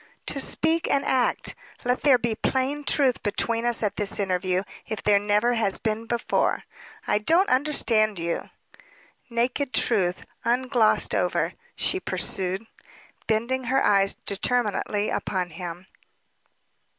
"To speak and act. Let there be plain truth between us at this interview, if there never has been before." "I don't understand you." "Naked truth, unglossed over," she pursued, bending her eyes determinately upon him.